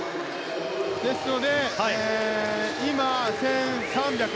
ですので今、１３００。